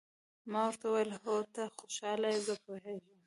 ما ورته وویل: هو، ته خوشاله یې، زه پوهېږم.